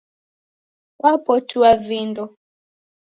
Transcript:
Wapotua vindo